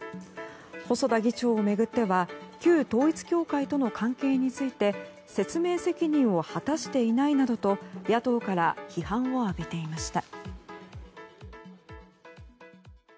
細田議長を巡っては旧統一教会との関係について説明責任を果たしていないなどと野党から批判を浴びていました。